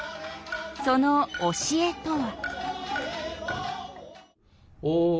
その教えとは？